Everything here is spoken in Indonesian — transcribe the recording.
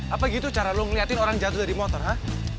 apa gitu cara lu ngeliatin orang jatuh dari motor ah